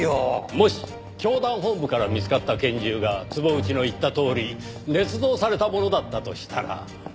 もし教団本部から見つかった拳銃が坪内の言ったとおり捏造されたものだったとしたら？